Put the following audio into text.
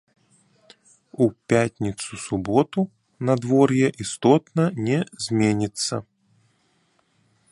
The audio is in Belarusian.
У пятніцу-суботу надвор'е істотна не зменіцца.